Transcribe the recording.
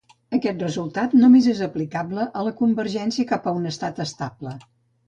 Aquest resultat només és aplicable a la convergència cap a un estat estable.